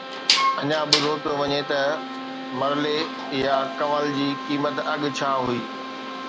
اڃا ٻڌو پيو وڃي ته مرلي يا ڪنول جي قيمت اڳ ڇا هئي.